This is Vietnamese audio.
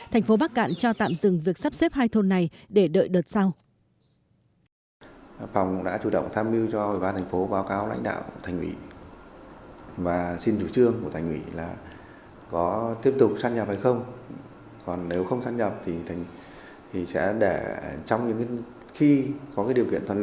thành phố bắc cạn cho tạm dừng việc sắp xếp hai thôn này để đợi đợt sau